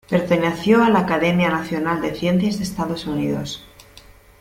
Perteneció a la Academia Nacional de Ciencias de Estados Unidos.